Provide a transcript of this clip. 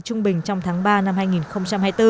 trung bình trong tháng ba năm hai nghìn hai mươi bốn